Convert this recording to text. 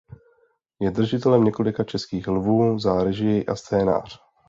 Je držitelem několika Českých lvů za režii a scénář.